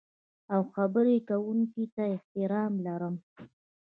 او خبرې کوونکي ته احترام لرئ.